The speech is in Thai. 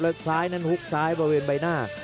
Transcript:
แล้วซ้ายนั้นฮุกซ้ายบริเวณใบหน้า